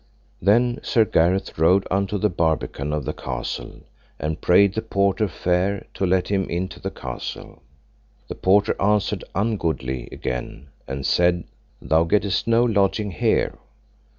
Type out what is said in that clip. Then Sir Gareth rode unto the barbican of the castle, and prayed the porter fair to let him into the castle. The porter answered ungoodly again, and said, Thou gettest no lodging here.